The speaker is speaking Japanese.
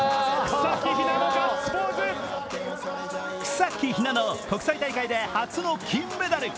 草木ひなの、国際大会で初の金メダル。